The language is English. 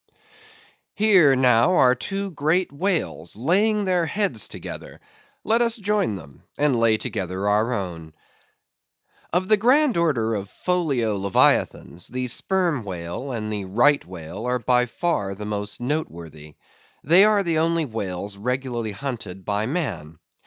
Here, now, are two great whales, laying their heads together; let us join them, and lay together our own. Of the grand order of folio leviathans, the Sperm Whale and the Right Whale are by far the most noteworthy. They are the only whales regularly hunted by man.